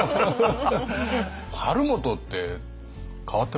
晴元って変わってますね。